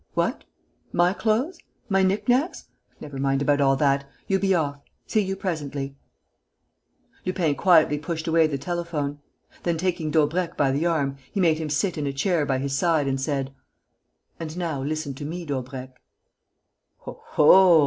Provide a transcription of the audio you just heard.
What?... My clothes? My knick knacks?... Never mind about all that.... You be off. See you presently." Lupin quietly pushed away the telephone. Then, taking Daubrecq by the arm, he made him sit in a chair by his side and said: "And now listen to me, Daubrecq." "Oho!"